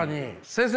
先生！